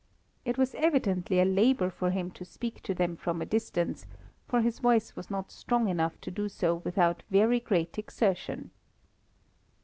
It was evidently a labour for him to speak to them from a distance, for his voice was not strong enough to do so without very great exertion.